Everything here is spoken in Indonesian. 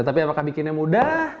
tetapi apakah bikinnya mudah